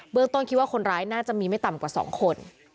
ต้นคิดว่าคนร้ายน่าจะมีไม่ต่ำกว่า๒คน